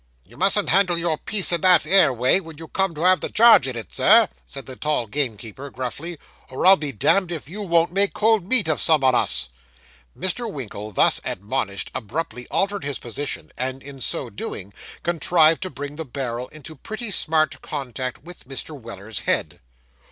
'You mustn't handle your piece in that 'ere way, when you come to have the charge in it, Sir,' said the tall gamekeeper gruffly; 'or I'm damned if you won't make cold meat of some on us.' Mr. Winkle, thus admonished, abruptly altered his position, and in so doing, contrived to bring the barrel into pretty smart contact with Mr. Weller's head.